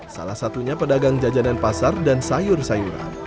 salah satunya pedagang jajanan pasar dan sayur sayuran